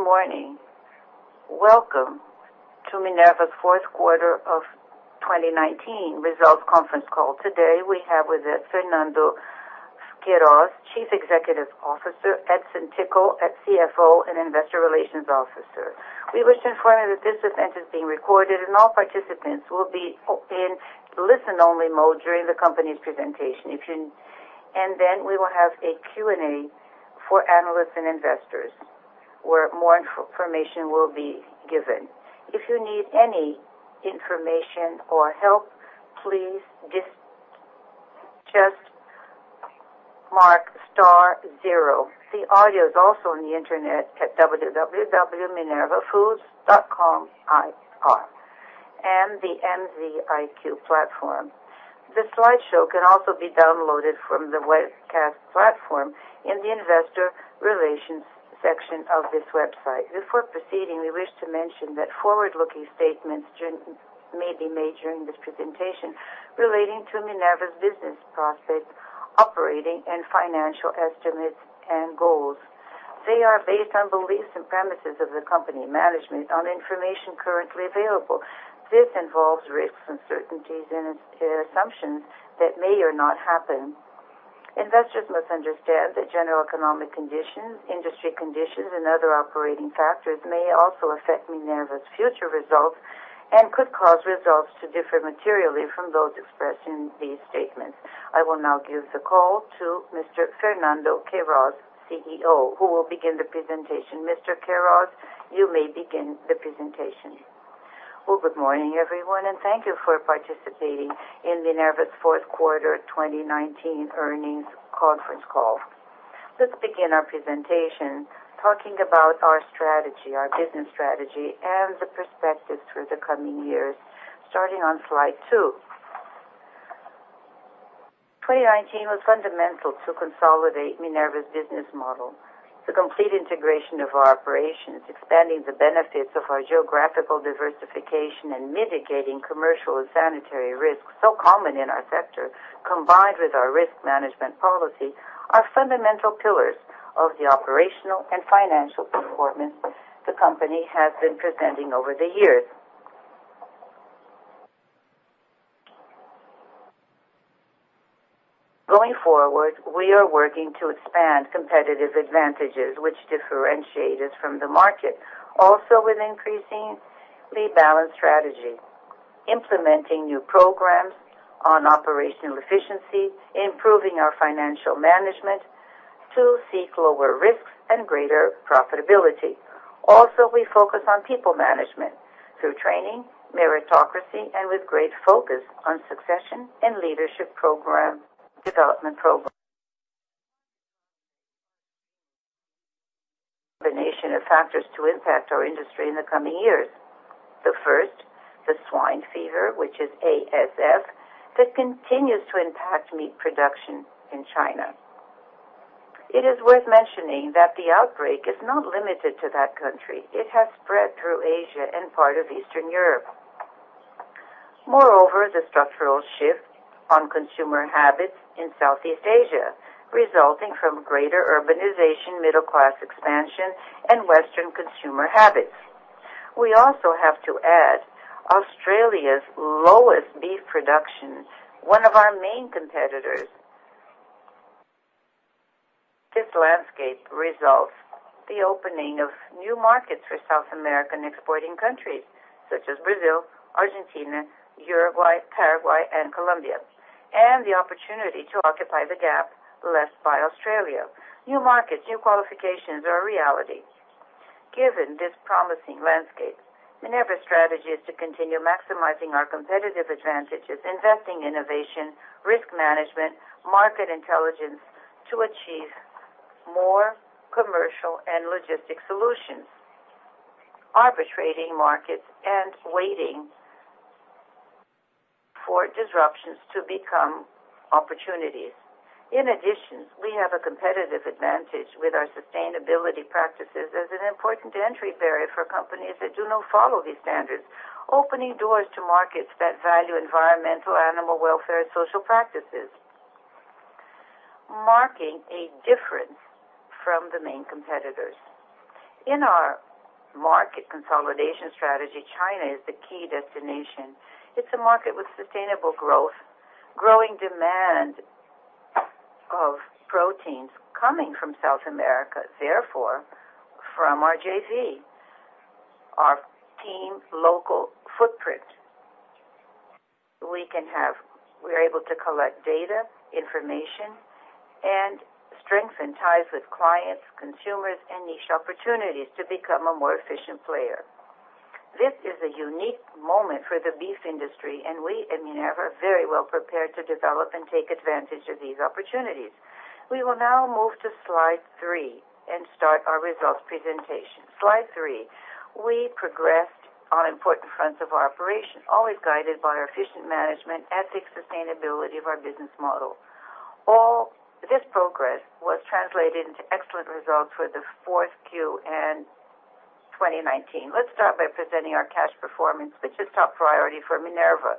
Good morning. Welcome to Minerva's fourth quarter of 2019 results conference call. Today we have with us Fernando Queiroz, Chief Executive Officer, Edison Ticle, CFO and Investor Relations Officer. We wish to inform you that this event is being recorded and all participants will be in listen-only mode during the company's presentation. Then we will have a Q&A for analysts and investors, where more information will be given. If you need any information or help, please just mark star zero. The audio is also on the Internet at minervafoods.com/ir and the MZIQ platform. The slideshow can also be downloaded from the webcast platform in the investor relations section of this website. Before proceeding, we wish to mention that forward-looking statements may be made during this presentation relating to Minerva's business prospects, operating and financial estimates and goals. They are based on beliefs and premises of the company management on information currently available. This involves risks, uncertainties, and assumptions that may or not happen. Investors must understand that general economic conditions, industry conditions, and other operating factors may also affect Minerva's future results and could cause results to differ materially from those expressed in these statements. I will now give the call to Mr. Fernando Queiroz, CEO, who will begin the presentation. Mr. Queiroz, you may begin the presentation. Well, good morning, everyone, and thank you for participating in Minerva's fourth quarter 2019 earnings conference call. Let's begin our presentation talking about our strategy, our business strategy, and the perspectives for the coming years, starting on slide two. 2019 was fundamental to consolidate Minerva's business model. The complete integration of our operations, expanding the benefits of our geographical diversification and mitigating commercial and sanitary risks, so common in our sector, combined with our risk management policy, are fundamental pillars of the operational and financial performance the company has been presenting over the year. Going forward, we are working to expand competitive advantages, which differentiate us from the market, also with increasingly balanced strategy. Implementing new programs on operational efficiency, improving our financial management to seek lower risks and greater profitability. Also, we focus on people management through training, meritocracy, and with great focus on succession and leadership development program. Combination of factors to impact our industry in the coming years. The first, the swine fever, which is ASF, that continues to impact meat production in China. It is worth mentioning that the outbreak is not limited to that country. It has spread through Asia and part of Eastern Europe. Moreover, the structural shift on consumer habits in Southeast Asia, resulting from greater urbanization, middle-class expansion, and Western consumer habits. We also have to add Australia's lowest beef production, one of our main competitors. This landscape results the opening of new markets for South American exporting countries, such as Brazil, Argentina, Uruguay, Paraguay, and Colombia, and the opportunity to occupy the gap left by Australia. New markets, new qualifications are a reality. Given this promising landscape, Minerva's strategy is to continue maximizing our competitive advantages, investing innovation, risk management, market intelligence to achieve more commercial and logistic solutions, arbitrating markets, and waiting for disruptions to become opportunities. In addition, we have a competitive advantage with our sustainability practices as an important entry barrier for companies that do not follow these standards, opening doors to markets that value environmental, animal welfare, and social practices, marking a difference from the main competitors. In our market consolidation strategy, China is the key destination. It's a market with sustainable growth, growing demand of proteins coming from South America. From our JV, our team's local footprint, we're able to collect data, information, and strengthen ties with clients, consumers, and niche opportunities to become a more efficient player. This is a unique moment for the beef industry. We at Minerva are very well prepared to develop and take advantage of these opportunities. We will now move to slide three and start our results presentation. Slide three. We progressed on important fronts of our operation, always guided by our efficient management, ethics, sustainability of our business model. This progress was translated into excellent results for the fourth Q and 2019. Let's start by presenting our cash performance, which is top priority for Minerva.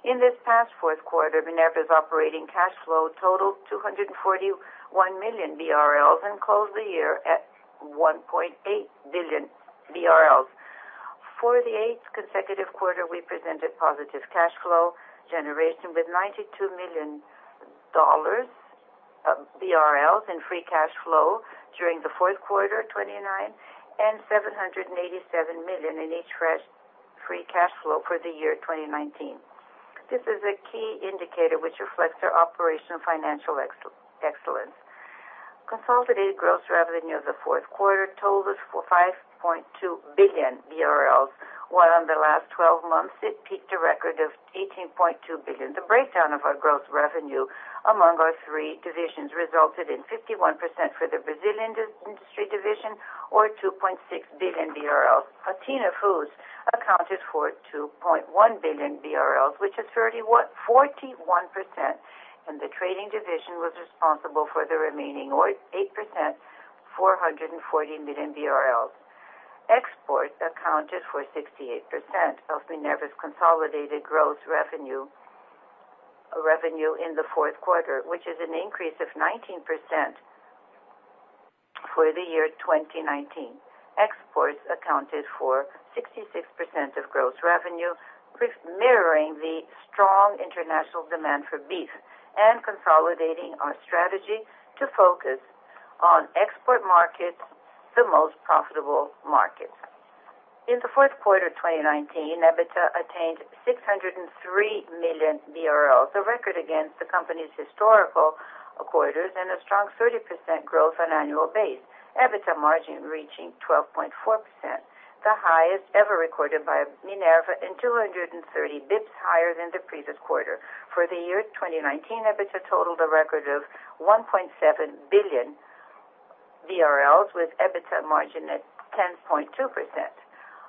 In this past fourth quarter, Minerva's operating cash flow totaled 241 million BRL and closed the year at 1.8 billion BRL. For the eighth consecutive quarter, we presented positive cash flow generation with BRL 92 million in free cash flow during the fourth quarter of 2019, and 787 million in free cash flow for the year 2019. This is a key indicator which reflects our operational financial excellence. Consolidated gross revenue of the fourth quarter totaled for 5.2 billion BRL, while in the last 12 months, it peaked a record of 18.2 billion. The breakdown of our gross revenue among our three divisions resulted in 51% for the Brazilian industry division or 2.6 billion. Athena Foods accounted for 2.1 billion BRL, which is 41%, and the trading division was responsible for the remaining 8%, 440 million BRL. Exports accounted for 68% of Minerva's consolidated gross revenue in the fourth quarter, which is an increase of 19% for the year 2019. Exports accounted for 66% of gross revenue, mirroring the strong international demand for beef and consolidating our strategy to focus on export markets, the most profitable markets. In the fourth quarter of 2019, EBITDA attained 603 million BRL, a record against the company's historical quarters and a strong 30% growth on annual base. EBITDA margin reaching 12.4%, the highest ever recorded by Minerva, and 230 basis points higher than the previous quarter. For the year 2019, EBITDA totaled a record of 1.7 billion with EBITDA margin at 10.2%.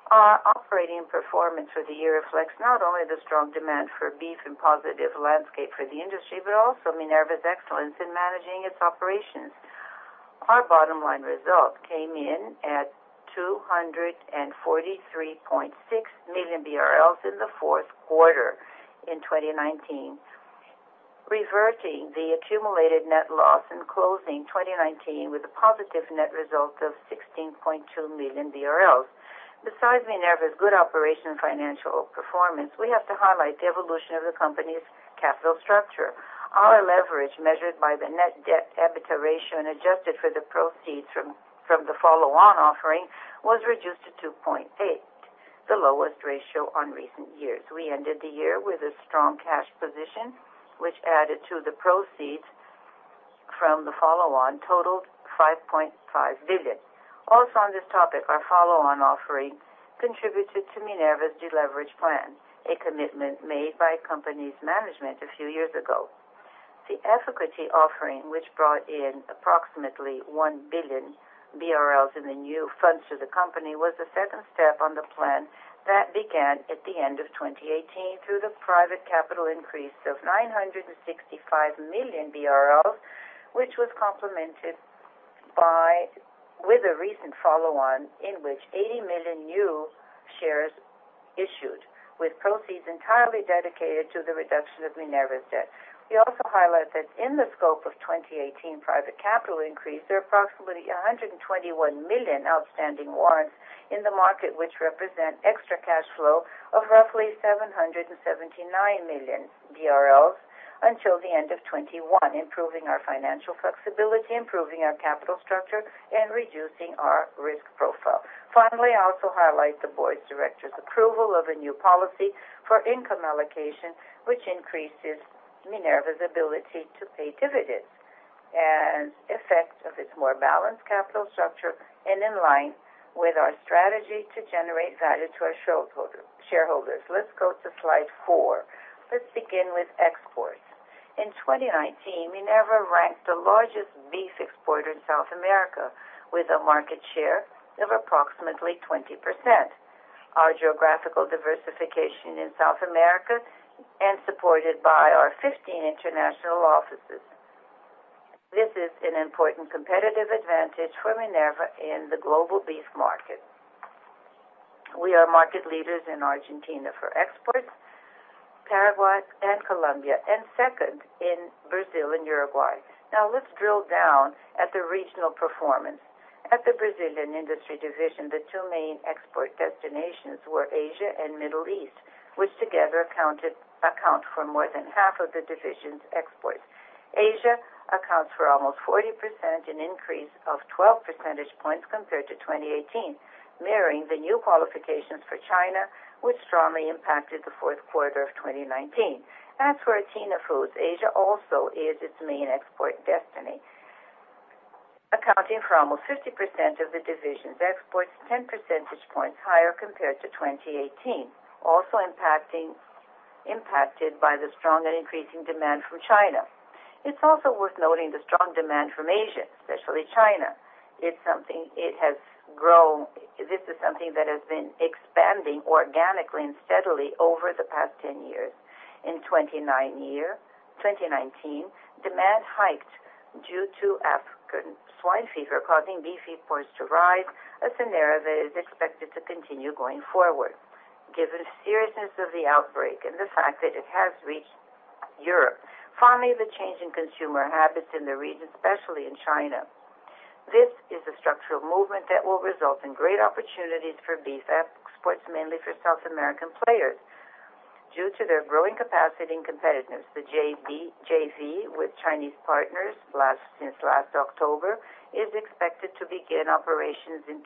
Our operating performance for the year reflects not only the strong demand for beef and positive landscape for the industry, but also Minerva's excellence in managing its operations. Our bottom line result came in at 243.6 million BRL in the fourth quarter in 2019, reverting the accumulated net loss and closing 2019 with a positive net result of 16.2 million BRL. Besides Minerva's good operation financial performance, we have to highlight the evolution of the company's capital structure. Our leverage, measured by the net debt/EBITDA ratio and adjusted for the proceeds from the follow-on offering, was reduced to 2.8, the lowest ratio on recent years. We ended the year with a strong cash position, which added to the proceeds from the follow-on totaled 5.5 billion. Also on this topic, our follow-on offering contributed to Minerva's deleverage plan, a commitment made by company's management a few years ago. The equity offering, which brought in approximately 1 billion BRL in the new funds to the company, was the second step on the plan that began at the end of 2018 through the private capital increase of 965 million BRL, which was complemented with a recent follow-on in which 80 million new shares issued, with proceeds entirely dedicated to the reduction of Minerva's debt. We also highlight that in the scope of 2018 private capital increase, there are approximately 121 million outstanding warrants in the market, which represent extra cash flow of roughly 779 million until the end of 2021, improving our financial flexibility, improving our capital structure, and reducing our risk profile. Finally, I also highlight the Board of Directors' approval of a new policy for income allocation, which increases Minerva's ability to pay dividends and effect of its more balanced capital structure, and in line with our strategy to generate value to our shareholders. Let's go to slide four. Let's begin with exports. In 2019, Minerva ranked the largest beef exporter in South America with a market share of approximately 20%. Our geographical diversification in South America and supported by our 15 international offices. This is an important competitive advantage for Minerva in the global beef market. We are market leaders in Argentina for exports, Paraguay, and Colombia, and second in Brazil and Uruguay. Let's drill down at the regional performance. At the Brazilian industry division, the two main export destinations were Asia and Middle East, which together account for more than half of the division's exports. Asia accounts for almost 40%, an increase of 12 percentage points compared to 2018, mirroring the new qualifications for China, which strongly impacted the fourth quarter of 2019. As for Athena Foods, Asia also is its main export destiny, accounting for almost 50% of the division's exports, 10 percentage points higher compared to 2018. Also impacted by the strong and increasing demand from China. It's also worth noting the strong demand from Asia, especially China. This is something that has been expanding organically and steadily over the past 10 years. In 2019, demand hiked due to African swine fever causing beef imports to rise, a scenario that is expected to continue going forward given the seriousness of the outbreak and the fact that it has reached Europe. Finally, the change in consumer habits in the region, especially in China. This is a structural movement that will result in great opportunities for beef exports, mainly for South American players due to their growing capacity and competitiveness. The JV with Chinese partners since last October is expected to begin operations in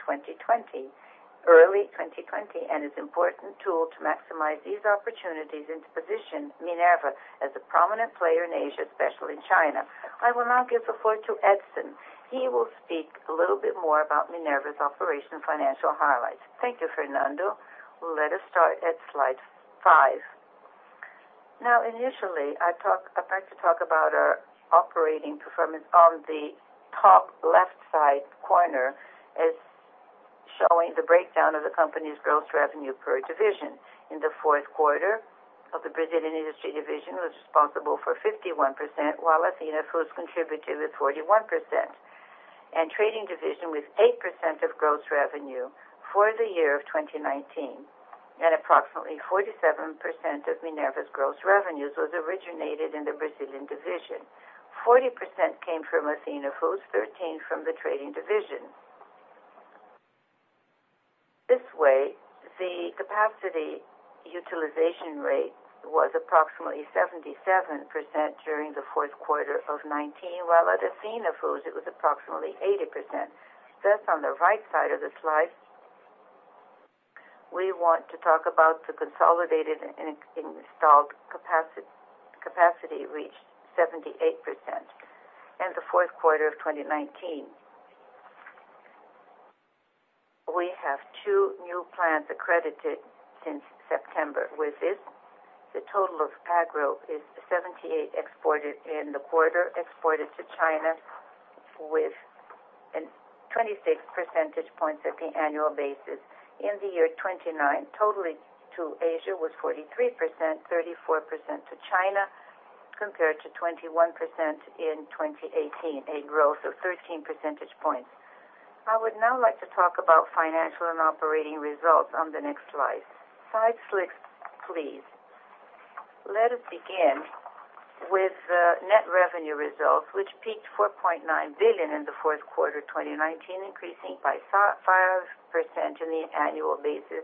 early 2020, and is important tool to maximize these opportunities and to position Minerva as a prominent player in Asia, especially in China. I will now give the floor to Edison. He will speak a little bit more about Minerva's operation and financial highlights. Thank you, Fernando. Let us start at slide five. Now, initially, I'd like to talk about our operating performance. On the top left side corner is showing the breakdown of the company's gross revenue per division. In the fourth quarter of the Brazilian industry division was responsible for 51%, while Athena Foods contributed with 41%. Trading division with 8% of gross revenue for the year of 2019, and approximately 47% of Minerva's gross revenues was originated in the Brazilian division. 40% came from Athena Foods, 13% from the trading division. This way, the capacity utilization rate was approximately 77% during the fourth quarter of 2019, while at Athena Foods it was approximately 80%. Thus, on the right side of the slide, we want to talk about the consolidated and installed capacity, reached 78% in the fourth quarter of 2019. We have two new plants accredited since September. With this, the total of agro is 78% exported in the quarter, exported to China with a 26 percentage points at the annual basis. In the year 2019, totally to Asia was 43%, 34% to China, compared to 21% in 2018, a growth of 13 percentage points. I would now like to talk about financial and operating results on the next slide. Slide six, please. Let us begin with the net revenue results, which peaked 4.9 billion in the fourth quarter 2019, increasing by 5% in the annual basis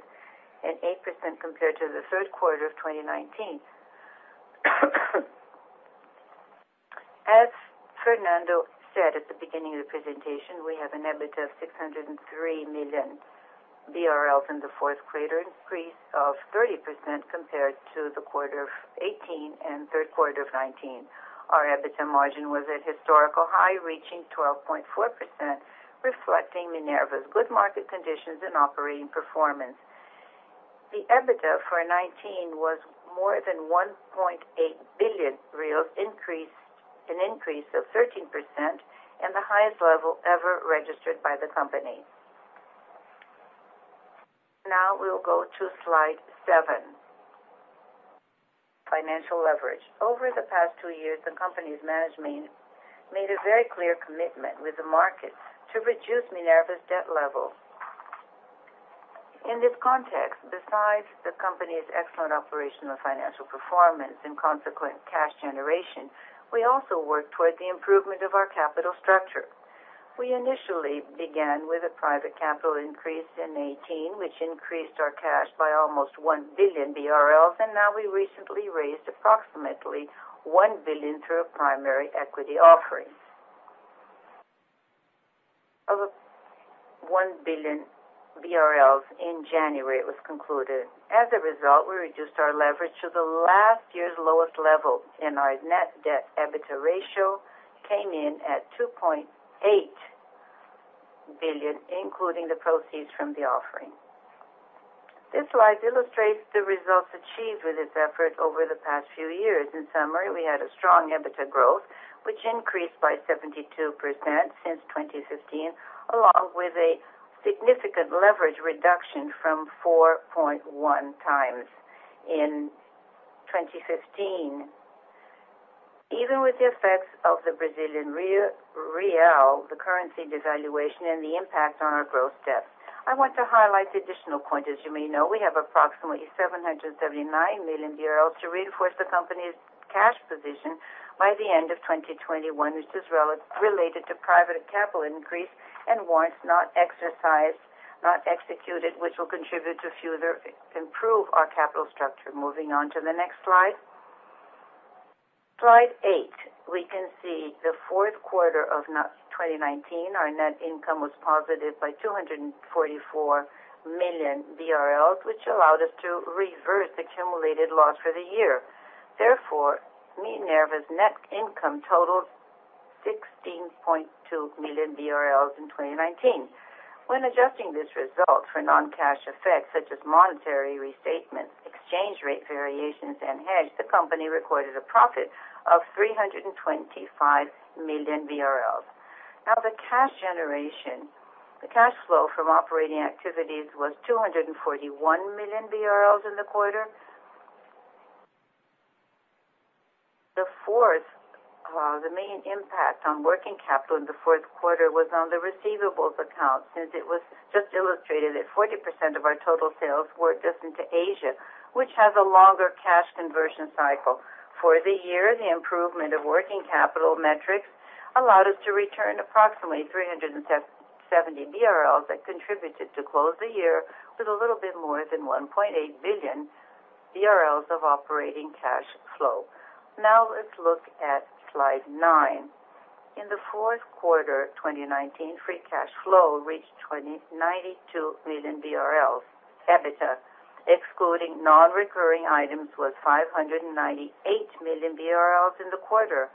and 8% compared to the third quarter of 2019. As Fernando said at the beginning of the presentation, we have an EBITDA of 603 million BRL in the fourth quarter, increase of 30% compared to the quarter of 2018 and third quarter of 2019. Our EBITDA margin was at historical high, reaching 12.4%, reflecting Minerva's good market conditions and operating performance. The EBITDA for 2019 was more than 1.8 billion reais, an increase of 13% and the highest level ever registered by the company. Now we will go to slide seven, financial leverage. Over the past two years, the company's management made a very clear commitment with the market to reduce Minerva's debt level. In this context, besides the company's excellent operational financial performance and consequent cash generation, we also worked toward the improvement of our capital structure. We initially began with a private capital increase in 2018, which increased our cash by almost 1 billion BRL, and now we recently raised approximately 1 billion through a primary equity offering. Of 1 billion BRL in January, it was concluded. As a result, we reduced our leverage to the last year's lowest level, and our net debt EBITDA ratio came in at 2.8x, billion, including the proceeds from the offering. This slide illustrates the results achieved with this effort over the past few years. In summary, we had a strong EBITDA growth, which increased by 72% since 2015, along with a significant leverage reduction from 4.1 times in 2015, even with the effects of the Brazilian real, the currency devaluation, and the impact on our growth debt. I want to highlight the additional point. As you may know, we have approximately 779 million BRL to reinforce the company's cash position by the end of 2021, which is related to private capital increase and warrants not executed, which will contribute to further improve our capital structure. Moving on to the next slide. Slide eight. We can see the fourth quarter of 2019, our net income was positive by 244 million BRL, which allowed us to reverse accumulated loss for the year. Minerva's net income totaled 16.2 million BRL in 2019. When adjusting this result for non-cash effects such as monetary restatements, exchange rate variations, and hedge, the company recorded a profit of 325 million BRL. The cash flow from operating activities was 241 million BRL in the quarter. The main impact on working capital in the fourth quarter was on the receivables account, since it was just illustrated that 40% of our total sales were just into Asia, which has a longer cash conversion cycle. For the year, the improvement of working capital metrics allowed us to return approximately 370 BRL that contributed to close the year with a little bit more than 1.8 billion BRL of operating cash flow. Let's look at slide nine. In the fourth quarter 2019, free cash flow reached 92 million BRL. EBITDA, excluding non-recurring items, was 598 million BRL in the quarter.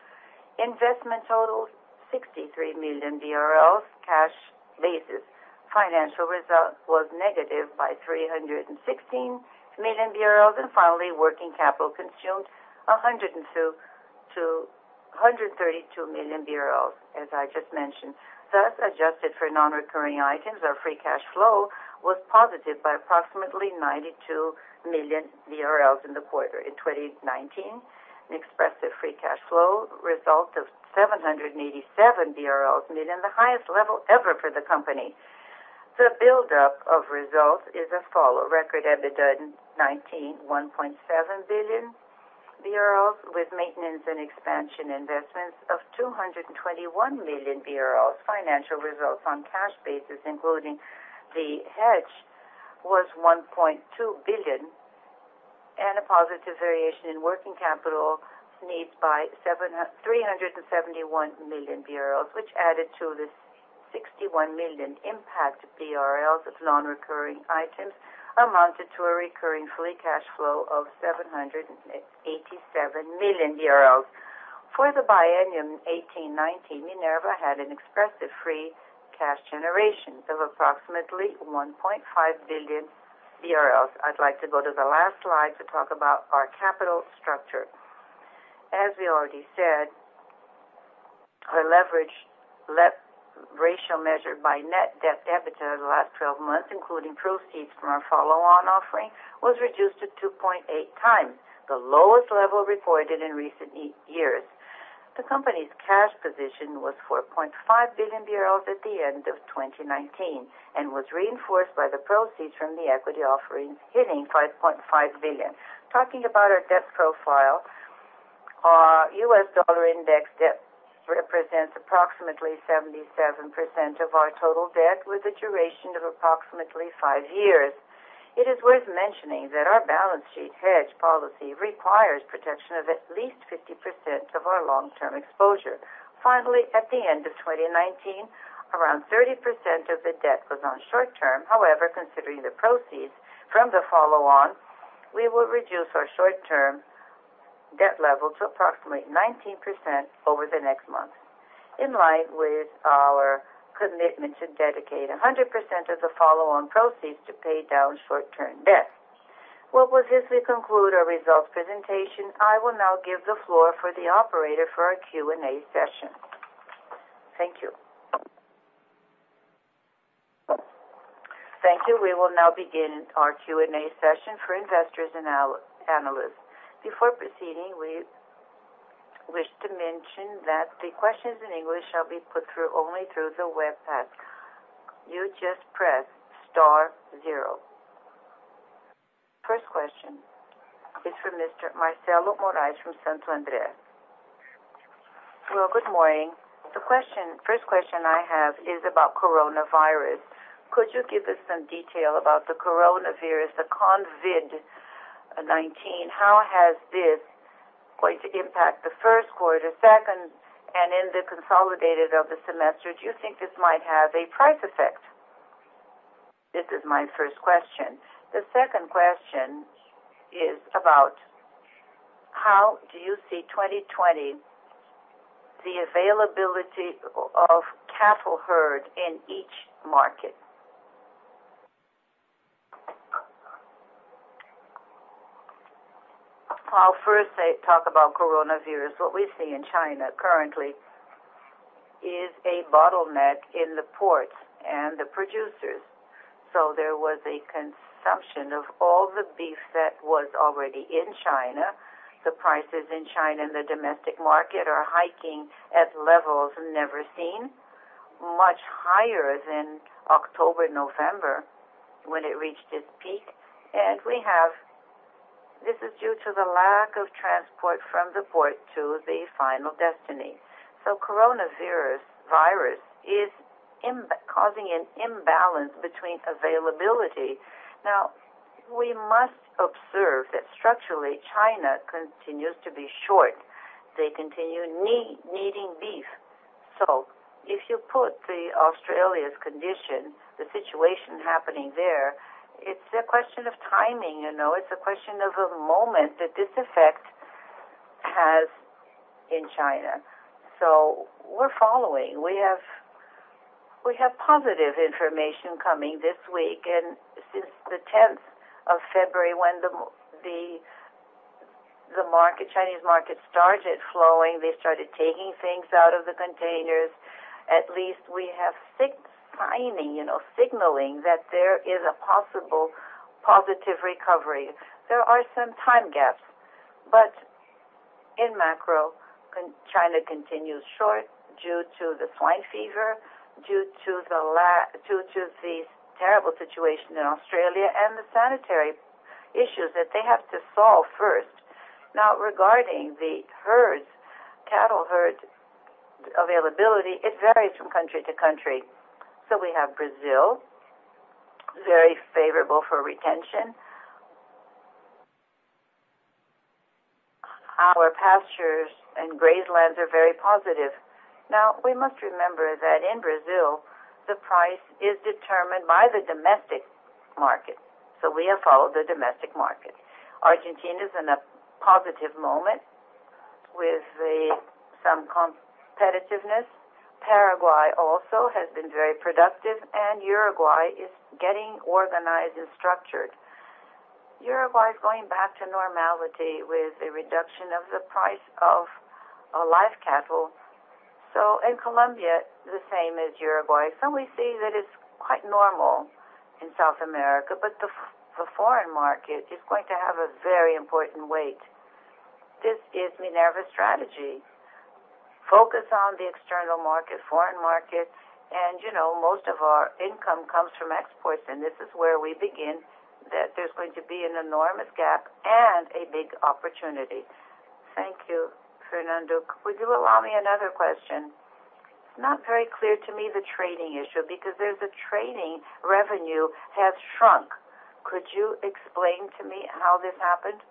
Investment total, 63 million BRL cash basis. Financial result was negative by 316 million BRL, finally, working capital consumed 132 million BRL, as I just mentioned. Thus, adjusted for non-recurring items, our free cash flow was positive by approximately 92 million in the quarter. In 2019, an expressive free cash flow result of 787 million BRL, the highest level ever for the company. The buildup of results is as follow: record EBITDA in 2019, 1.7 billion BRL, with maintenance and expansion investments of 221 million BRL. Financial results on cash basis, including the hedge, was 1.2 billion, and a positive variation in working capital needs by 371 million BRL, which added to the 61 million BRL impact of non-recurring items, amounted to a recurring free cash flow of BRL 787 million. For the biennium 2018, 2019, Minerva had an expressive free cash generation of approximately BRL 1.5 billion. I'd like to go to the last slide to talk about our capital structure. As we already said, our leverage ratio measured by net debt to EBITDA in the last 12 months, including proceeds from our follow-on offering, was reduced to 2.8 times, the lowest level reported in recent years. The company's cash position was BRL 4.5 billion at the end of 2019, and was reinforced by the proceeds from the equity offering, hitting 5.5 billion. Talking about our debt profile, our U.S. dollar-index debt represents approximately 77% of our total debt, with a duration of approximately five years. It is worth mentioning that our balance sheet hedge policy requires protection of at least 50% of our long-term exposure. Finally, at the end of 2019, around 30% of the debt was on short-term. However, considering the proceeds from the follow-on, we will reduce our short-term debt level to approximately 19% over the next month, in line with our commitment to dedicate 100% of the follow-on proceeds to pay down short-term debt. Well, with this, we conclude our results presentation. I will now give the floor for the operator for our Q&A session. Thank you. Thank you. We will now begin our Q&A session for investors and analysts. Before proceeding, we wish to mention that the questions in English shall be put only through the webcast. You just press star zero. First question is from Mr. [Marcelo Moraes] from Santo Andre. Well, good morning. The first question I have is about coronavirus. Could you give us some detail about the coronavirus, the COVID-19? How has this going to impact the first quarter, second, and in the consolidated of the semester, do you think this might have a price effect? This is my first question. The second question is about how do you see 2020, the availability of cattle herd in each market? I'll first talk about coronavirus. What we see in China currently is a bottleneck in the ports and the producers. There was a consumption of all the beef that was already in China. The prices in China in the domestic market are hiking at levels never seen, much higher than October, November, when it reached its peak. This is due to the lack of transport from the port to the final destiny. Coronavirus is causing an imbalance between availability. Now, we must observe that structurally, China continues to be short. They continue needing beef. If you put the Australia's condition, the situation happening there, it's a question of timing. It's a question of a moment that this effect has in China. We're following. We have positive information coming this week, and since February 10th, when the Chinese market started flowing, they started taking things out of the containers. At least we have signs signaling that there is a possible positive recovery. There are some time gaps. In macro, China continues short due to the swine fever, due to the terrible situation in Australia, and the sanitary issues that they have to solve first. Regarding the herds, cattle herds availability, it varies from country to country. We have Brazil, very favorable for retention. Our pastures and grasslands are very positive. We must remember that in Brazil, the price is determined by the domestic market. We have followed the domestic market. Argentina's in a positive moment with some competitiveness. Paraguay also has been very productive, and Uruguay is getting organized and structured. Uruguay is going back to normality with a reduction of the price of live cattle. In Colombia, the same as Uruguay. We see that it's quite normal in South America, but the foreign market is going to have a very important weight. This is Minerva's strategy. Focus on the external market, foreign market, and most of our income comes from exports, and this is where we begin, that there's going to be an enormous gap and a big opportunity. Thank you, Fernando. Would you allow me another question? It's not very clear to me the trading issue, because there's a trading revenue has shrunk. Could you explain to me how this happened?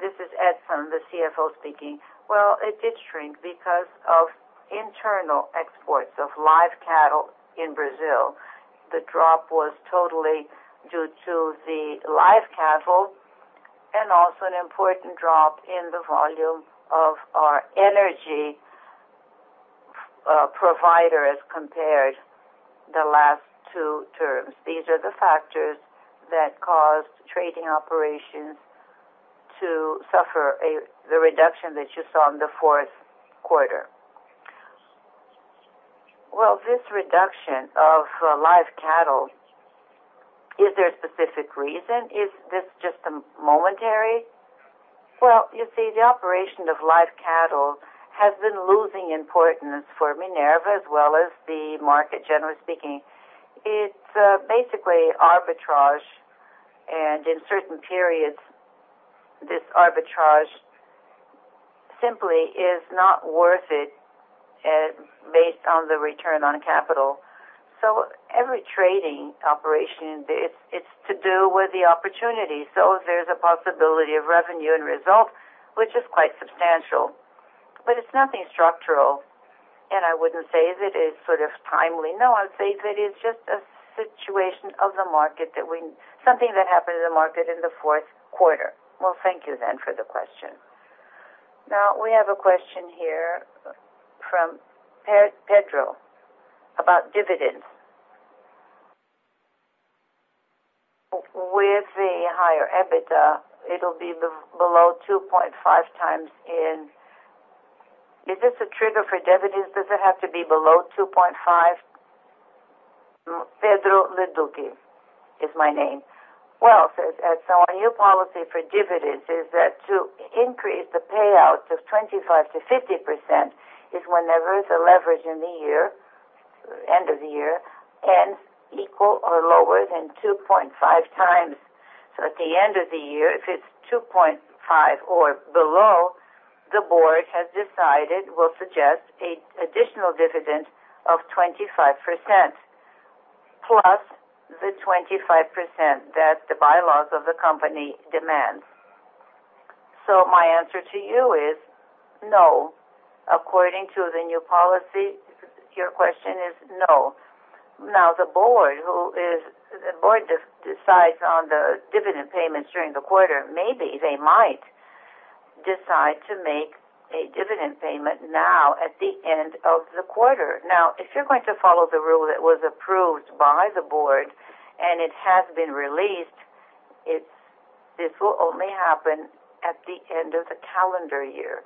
This is Edison, the CFO speaking. Well, it did shrink because of internal exports of live cattle in Brazil. The drop was totally due to the live cattle and also an important drop in the volume of our energy provider as compared the last two terms. These are the factors that caused trading operations to suffer a reduction that you saw in the fourth quarter. Well, this reduction of live cattle, is there a specific reason? Is this just a momentary? Well, you see, the operation of live cattle has been losing importance for Minerva as well as the market, generally speaking. It's basically arbitrage, and in certain periods, this arbitrage simply is not worth it based on the return on capital. Every trading operation, it's to do with the opportunity. There's a possibility of revenue and result, which is quite substantial, but it's nothing structural, and I wouldn't say that it is sort of timely. I'd say that it's just a situation of the market that something that happened in the market in the fourth quarter. Thank you then for the question. We have a question here from Pedro about dividends. With the higher EBITDA, it'll be below 2.5 times. Is this a trigger for dividends? Does it have to be below 2.5? [Pedro Leduc] is my name. Our new policy for dividends is that to increase the payouts of 25%-50% is whenever the leverage in the year, end of the year, ends equal or lower than 2.5 times. At the end of the year, if it's 2.5 or below, the board has decided, we'll suggest, an additional dividend of 25%, plus the 25% that the bylaws of the company demand. My answer to you is no. According to the new policy, your question is no. The board decides on the dividend payments during the quarter. Maybe they might decide to make a dividend payment now at the end of the quarter. If you're going to follow the rule that was approved by the board and it has been released, this will only happen at the end of the calendar year.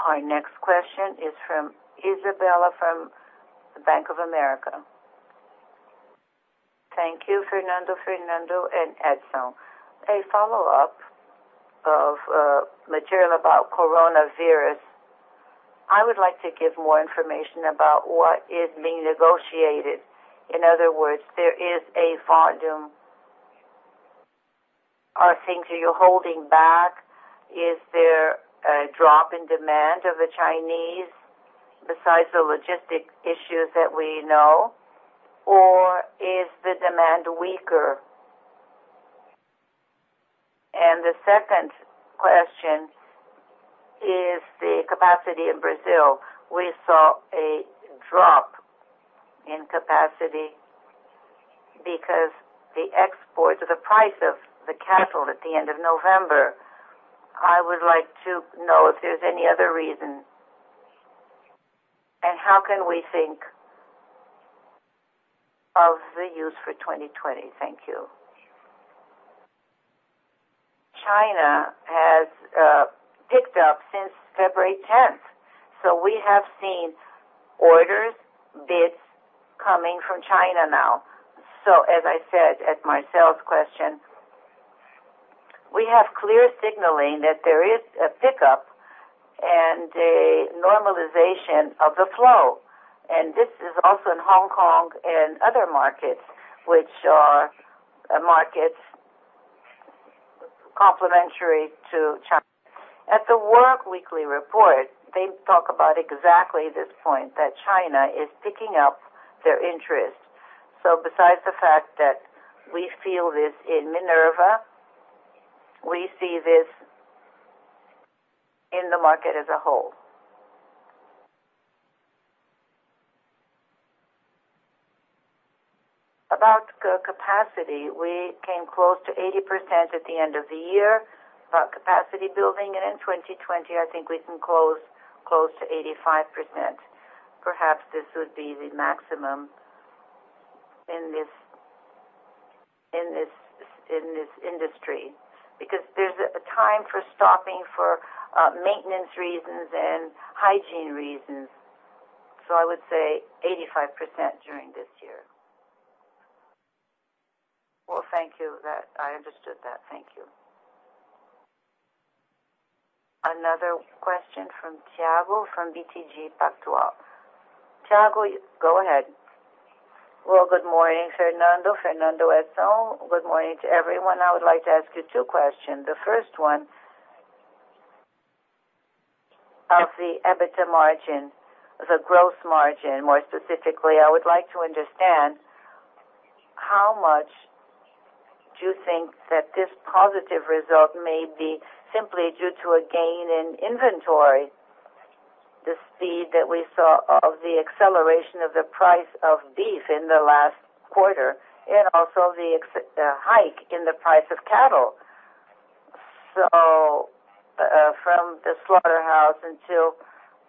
Our next question is from Isabella from the Bank of America. Thank you, Fernando, and Edison. A follow-up of material about coronavirus. I would like to give more information about what is being negotiated. In other words, there is a. Are things that you're holding back, is there a drop in demand of the Chinese besides the logistic issues that we know, or is the demand weaker? The second question is the capacity in Brazil. We saw a drop in capacity because the export, the price of the cattle at the end of November. I would like to know if there's any other reason, and how can we think of the use for 2020? Thank you. China has picked up since February 10th. We have seen orders, bids, coming from China now. As I said at Marcel's question, we have clear signaling that there is a pickup and a normalization of the flow. This is also in Hong Kong and other markets, which are markets complementary to China. At the World Weekly Report, they talk about exactly this point, that China is picking up their interest. Besides the fact that we feel this in Minerva, we see this in the market as a whole. About capacity, we came close to 80% at the end of the year about capacity building, and in 2020, I think we can close to 85%. Perhaps this would be the maximum in this industry, because there's a time for stopping for maintenance reasons and hygiene reasons. I would say 85% during this year. Well, thank you. I understood that. Thank you. Another question from Thiago from BTG Pactual. Tiago, go ahead. Well, good morning, Fernando, Edison. Good morning to everyone. I would like to ask you two questions. The first one: of the EBITDA margin, the growth margin, more specifically, I would like to understand how much do you think that this positive result may be simply due to a gain in inventory, the speed that we saw of the acceleration of the price of beef in the last quarter, and also the hike in the price of cattle. From the slaughterhouse until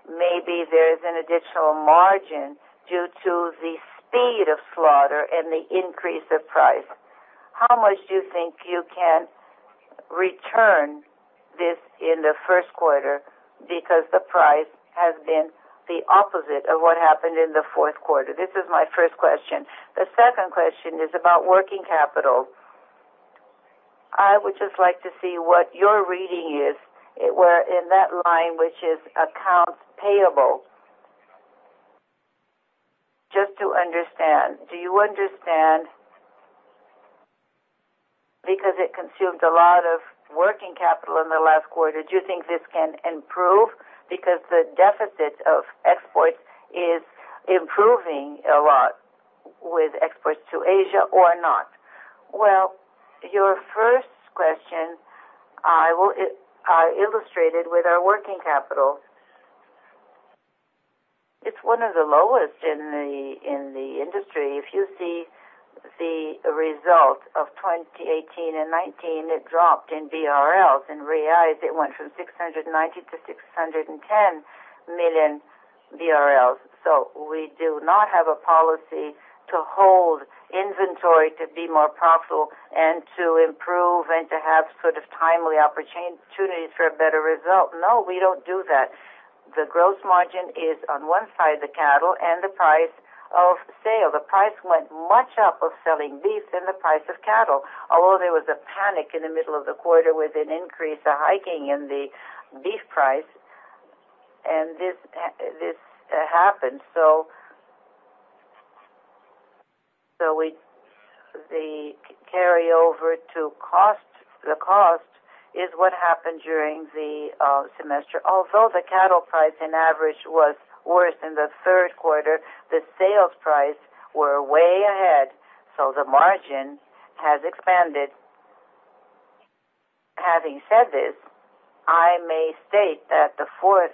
maybe there's an additional margin due to the speed of slaughter and the increase of price. How much do you think you can return this in the first quarter because the price has been the opposite of what happened in the fourth quarter? This is my first question. The second question is about working capital. I would just like to see what your reading is in that line, which is accounts payable. Just to understand. Do you understand because it consumed a lot of working capital in the last quarter, do you think this can improve? Because the deficit of exports is improving a lot with exports to Asia or not? Well, your first question, I illustrated with our working capital. It's one of the lowest in the industry. If you see the result of 2018 and 2019, it dropped in BRL. In BRL, it went from 690 million-610 million BRL. We do not have a policy to hold inventory to be more profitable and to improve and to have sort of timely opportunities for a better result. No, we don't do that. The gross margin is on one side, the cattle and the price of sale. The price went much up of selling beef than the price of cattle. Although there was a panic in the middle of the quarter with an increase, a hiking in the beef price, and this happened. The carryover to the cost is what happened during the semester. Although the cattle price on average was worse in the third quarter, the sales price were way ahead, so the margin has expanded. Having said this, I may state that the fourth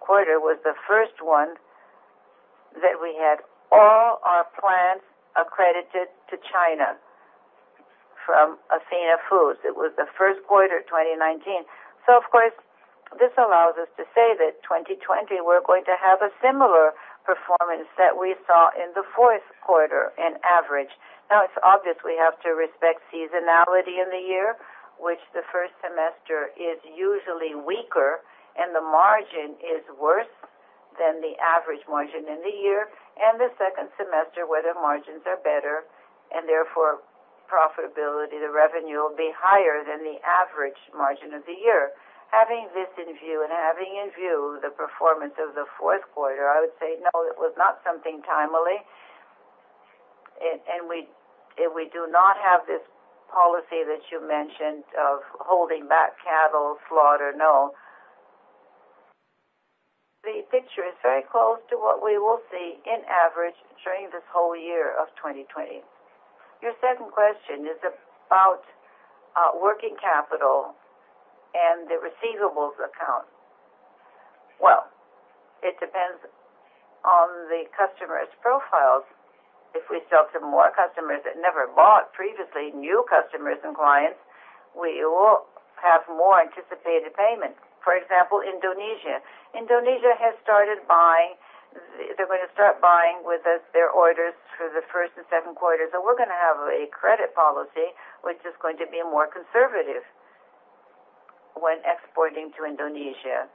quarter was the first one that we had all our plants accredited to China from Athena Foods. It was the first quarter 2019. Of course, this allows us to say that 2020, we're going to have a similar performance that we saw in the fourth quarter in average. It's obvious we have to respect seasonality in the year, which the first semester is usually weaker and the margin is worse than the average margin in the year, and the second semester, where the margins are better and therefore profitability, the revenue will be higher than the average margin of the year. Having this in view and having in view the performance of the fourth quarter, I would say no, it was not something timely. We do not have this policy that you mentioned of holding back cattle slaughter, no. The picture is very close to what we will see in average during this whole year of 2020. Your second question is about working capital and the receivables account. Well, it depends on the customers' profiles. If we sell to more customers that never bought previously, new customers and clients, we will have more anticipated payments. For example, Indonesia. Indonesia has started buying. They're going to start buying with us their orders for the first and second quarter. We're going to have a credit policy, which is going to be more conservative. When exporting to Indonesia.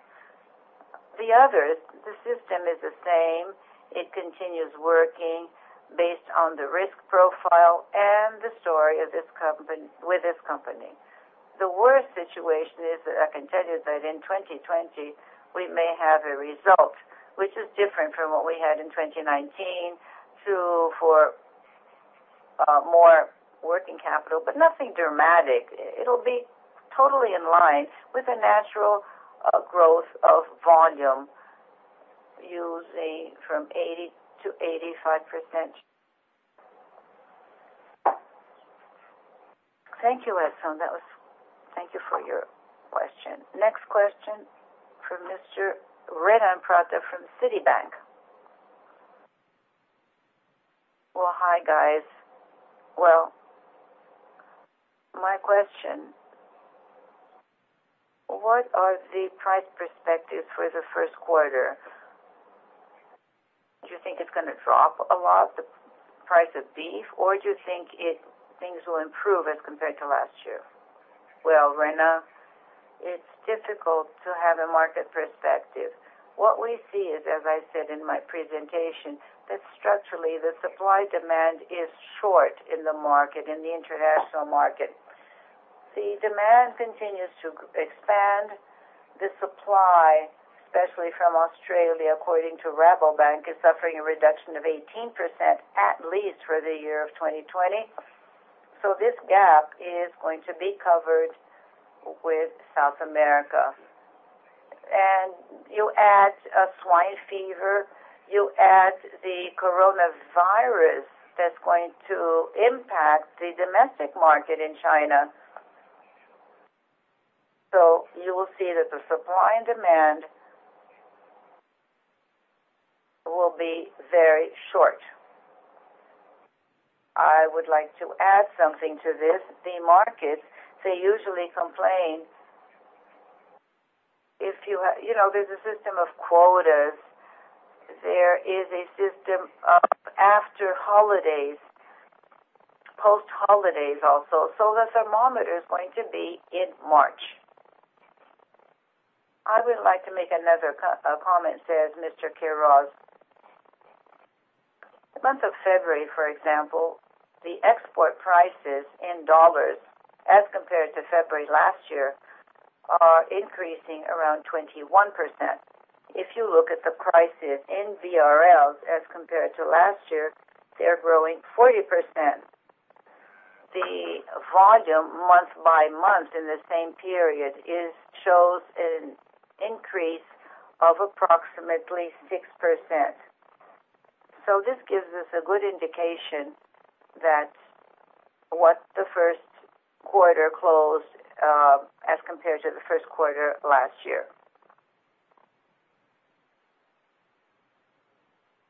The others, the system is the same. It continues working based on the risk profile and the story with this company. The worst situation is, I can tell you that in 2020, we may have a result which is different from what we had in 2019, to for more working capital, but nothing dramatic. It'll be totally in line with the natural growth of volume using from 80% to 85%. Thank you, Edison. Thank you for your question. Next question from Mr. Renan Prata from Citibank. Hi, guys. My question, what are the price perspectives for the first quarter? Do you think it's going to drop a lot, the price of beef, or do you think things will improve as compared to last year? Well, Renan, it is difficult to have a market perspective. What we see is, as I said in my presentation, that structurally, the supply-demand is short in the market, in the international market. The demand continues to expand the supply, especially from Australia, according to Rabobank, is suffering a reduction of 18% at least for the year of 2020. This gap is going to be covered with South America. You add swine fever, you add the coronavirus that is going to impact the domestic market in China. You will see that the supply and demand will be very short. I would like to add something to this. The markets, they usually complain. There is a system of quotas. There is a system of after holidays, post holidays also. The thermometer is going to be in March. "I would like to make another comment," says Mr. Queiroz. The month of February, for example, the export prices in USD as compared to February last year, are increasing around 21%. If you look at the prices in BRLs as compared to last year, they're growing 40%. The volume month-over-month in the same period shows an increase of approximately 6%. This gives us a good indication that what the first quarter closed, as compared to the first quarter last year.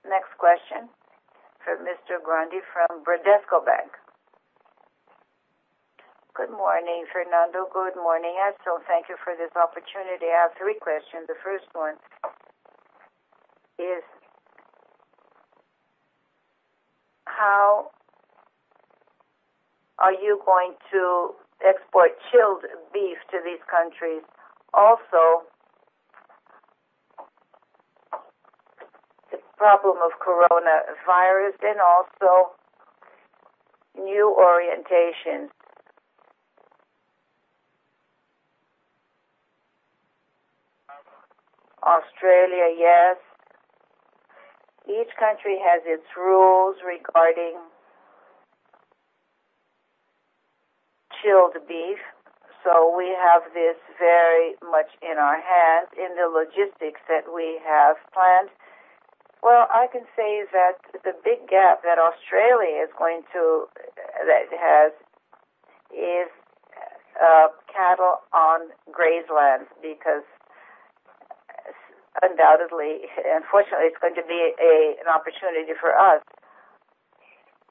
Next question from Mr. [Gundy] from Bradesco BBI. Good morning, Fernando. Good morning, Edison. Thank you for this opportunity. I have three questions. The first one is, how are you going to export chilled beef to these countries? Also, the problem of coronavirus and also new orientations. Australia, yes. Each country has its rules regarding chilled beef. We have this very much in our hands in the logistics that we have planned. Well, I can say that the big gap that Australia has is cattle on grazelands because undoubtedly, unfortunately, it's going to be an opportunity for us.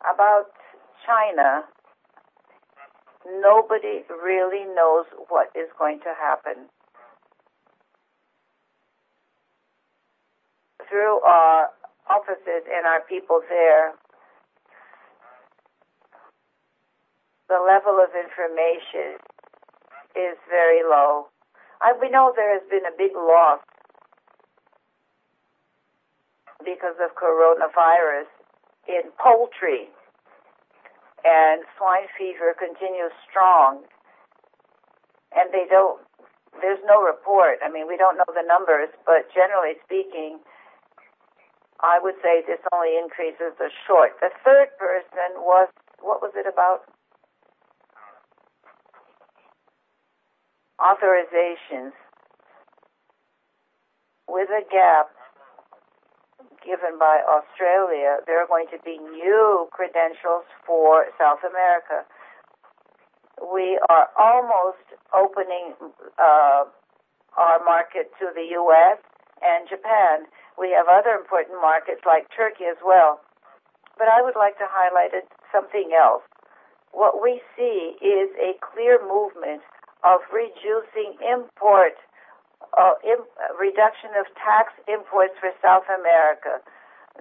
About China, nobody really knows what is going to happen. Through our offices and our people there, the level of information is very low. We know there has been a big loss because of coronavirus in poultry. Swine fever continues strong. There's no report. We don't know the numbers. Generally speaking, I would say this only increases the short. The third question, what was it about? Authorizations. With a gap given by Australia, there are going to be new credentials for South America. We are almost opening our market to the U.S. and Japan. We have other important markets like Turkey as well. I would like to highlight something else. What we see is a clear movement of reduction of tax imports for South America.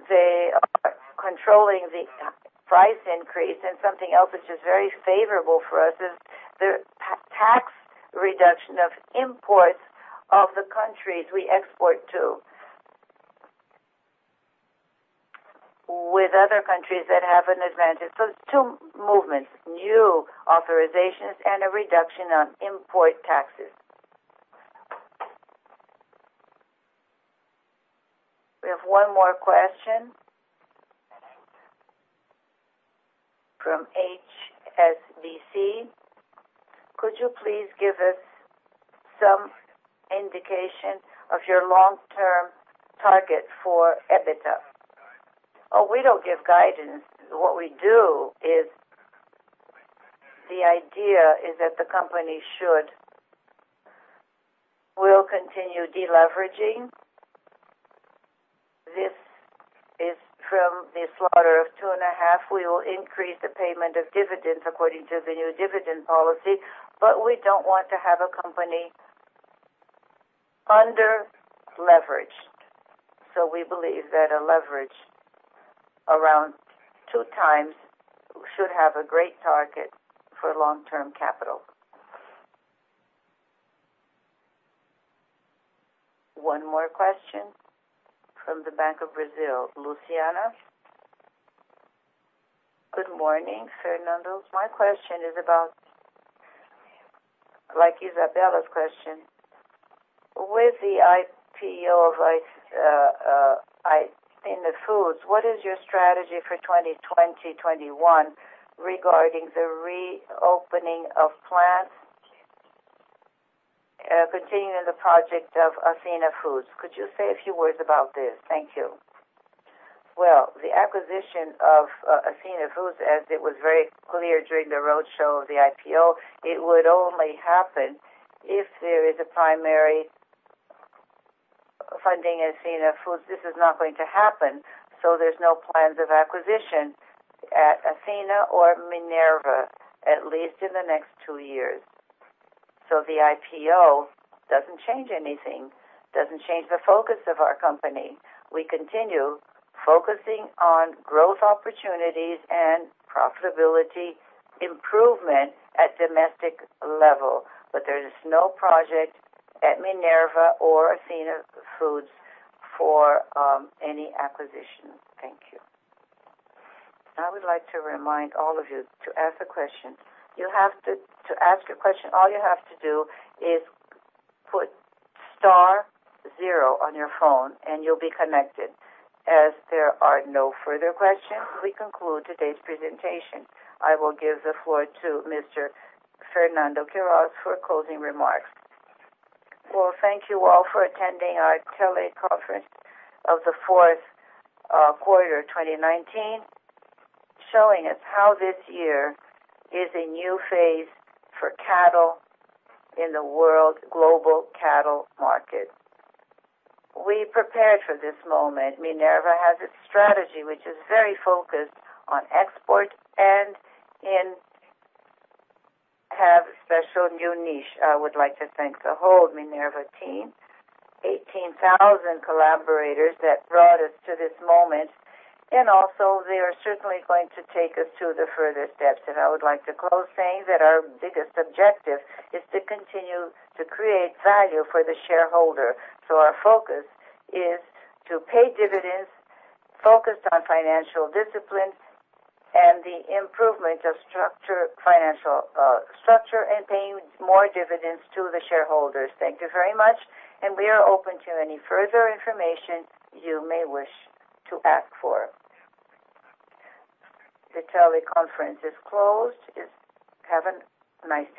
They are controlling the price increase. Something else which is very favorable for us is the tax reduction of imports of the countries we export to, with other countries that have an advantage. Two movements, new authorizations, and a reduction on import taxes. We have one more question from HSBC. "Could you please give us some indication of your long-term target for EBITDA?" We don't give guidance. What we do is, the idea is that We'll continue deleveraging. This is from the slaughter of 2.5. We will increase the payment of dividends according to the new dividend policy. We don't want to have a company underleveraged. We believe that a leverage around 2x should have a great target for long-term capital. One more question from the Banco do Brasil. Luciana. Good morning, Fernando. My question is about, like Isabella's question, with the IPO in the foods, what is your strategy for 2020, 2021 regarding the reopening of plants, continuing the project of Athena Foods. Could you say a few words about this? Thank you. Well, the acquisition of Athena Foods, as it was very clear during the roadshow of the IPO, it would only happen if there is a primary funding Athena Foods. This is not going to happen, so there's no plans of acquisition at Athena or Minerva, at least in the next two years. The IPO doesn't change anything, doesn't change the focus of our company. We continue focusing on growth opportunities and profitability improvement at domestic level. There is no project at Minerva or Athena Foods for any acquisition. Thank you. I would like to remind all of you to ask a question. To ask a question, all you have to do is put star zero on your phone and you'll be connected. As there are no further questions, we conclude today's presentation. I will give the floor to Mr. Fernando Queiroz for closing remarks. Well, thank you all for attending our teleconference of the fourth quarter 2019, showing us how this year is a new phase for cattle in the world global cattle market. We prepared for this moment. Minerva has its strategy, which is very focused on export and have special new niche. I would like to thank the whole Minerva team, 18,000 collaborators that brought us to this moment, and also they are certainly going to take us to the further steps. I would like to close saying that our biggest objective is to continue to create value for the shareholder. Our focus is to pay dividends, focused on financial discipline and the improvement of financial structure and paying more dividends to the shareholders. Thank you very much, and we are open to any further information you may wish to ask for. The teleconference is closed. Have a nice day.